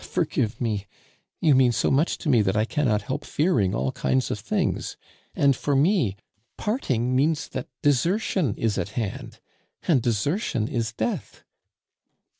Forgive me! You mean so much to me that I cannot help fearing all kinds of things; and, for me, parting means that desertion is at hand, and desertion is death."